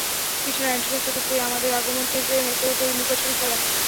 পিঠের অ্যান্টেনা-চোখে চেয়ে, আমাদের আগমন টের পেয়ে, মেতে ওঠে লুকোচুরি খেলায়।